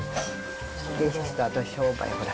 景色とあと商売、ほら。